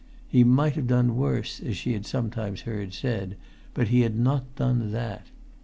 He might have done worse, as she had sometimes heard said, but he had not done that.